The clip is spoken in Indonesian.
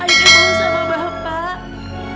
aida mau sama bapak